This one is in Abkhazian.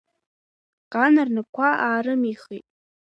Гана рнапқәа аарымихит.